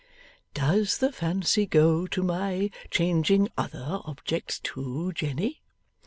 'Does the fancy go to my changing other objects too, Jenny?